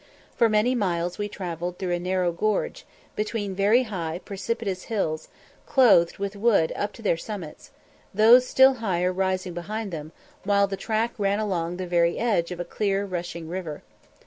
For many miles we travelled through a narrow gorge, between very high precipitous hills, clothed with wood up to their summits; those still higher rising behind them, while the track ran along the very edge of a clear rushing river.